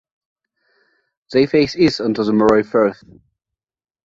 They face east onto the Moray Firth.